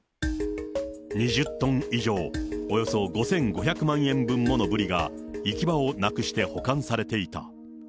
２０トン以上、およそ５５００万円分ものブリが、行き場をなくして保管されていた。